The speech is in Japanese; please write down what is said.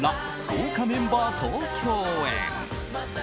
豪華メンバーと共演。